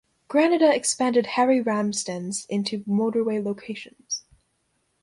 Granada expanded Harry Ramsden's into motorway locations.